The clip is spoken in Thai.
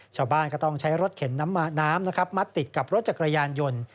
ชาวบ้านก็ต้องใช้รถเข็นน้ำนะครับมัดติดกับรถจักรยานยนต์